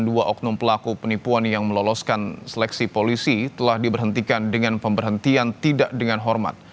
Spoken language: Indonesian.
dua oknum pelaku penipuan yang meloloskan seleksi polisi telah diberhentikan dengan pemberhentian tidak dengan hormat